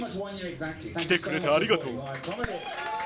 来てくれてありがとう。